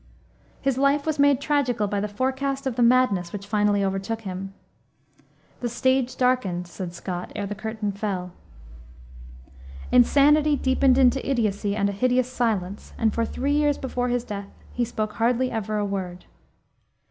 His life was made tragical by the forecast of the madness which finally overtook him. "The stage darkened," said Scott, "ere the curtain fell." Insanity deepened into idiocy and a hideous silence, and for three years before his death he spoke hardly ever a word.